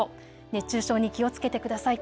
熱中症に気をつけてください。